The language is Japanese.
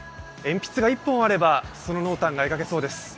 鉛筆が１本あれば、その濃淡が描けそうです。